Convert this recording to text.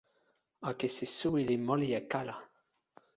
akesi suwi li moli e kala